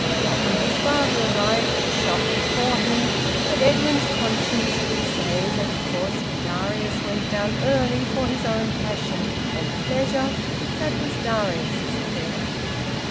Often his father arrived at the shop before him, but Edwin's conscience would say that of course if Darius went down early for his own passion and pleasure, that was Darius's affair.